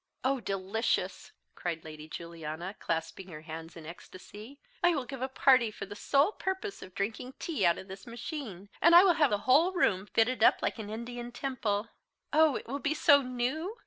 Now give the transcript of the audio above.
"Oh delicious!" cried Lady Juliana, clasping her hands in ecstasy. "I will give a party for the sole purpose of drinking tea out of this machine; and I will have the whole room fitted up like an Indian temple. Oh! it will be so new!